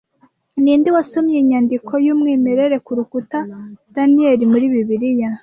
Ninde wasomye inyandiko yumwimerere kurukuta Daniel - muri Bibiliya